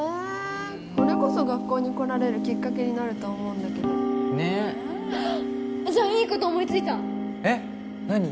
これこそ学校に来られるきっかけになると思うんだけどじゃあいいこと思いついたえっ何？